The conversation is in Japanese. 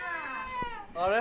あれ？